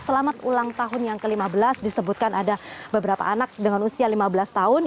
selamat ulang tahun yang ke lima belas disebutkan ada beberapa anak dengan usia lima belas tahun